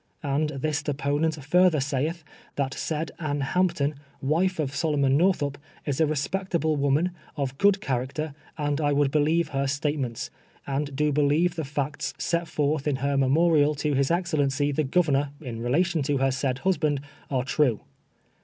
And this deponent further saith, that said Anne Hampton, wife of Solomon Northup, is a respectable woman, of good character, and I would Ijelieve her statement s, and do believe the fiets set forth m her memorial to liis excellency, the Governor, in relation to her said husband, are true.